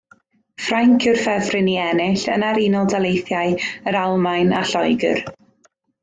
Ffrainc yw'r ffefryn i ennill, yna'r Unol Daleithiau, yr Almaen a Lloegr.